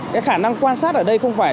cái khả năng quan sát ở đây không phải